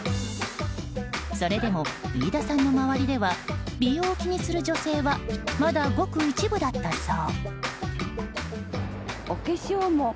それでも飯田さんの周りでは美容を気にする女性はまだごく一部だったそう。